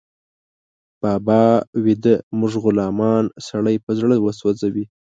بابا ويده، موږ غلامان، سړی په زړه وسوځي